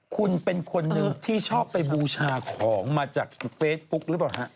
คุณเป็นคนหนึ่งที่ชอบไปบูชาของมาจากเฟซบุ๊คหรือเปล่าฮะ